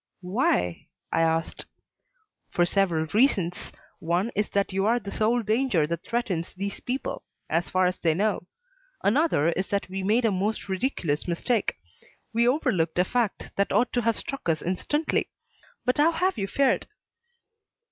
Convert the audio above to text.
"Why?" I asked. "For several reasons. One is that you are the sole danger that threatens these people as far as they know. Another is that we made a most ridiculous mistake. We overlooked a fact that ought to have struck us instantly. But how have you fared?"